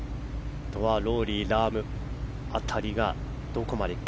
あとはローリー、ラーム辺りがどこまでいくか。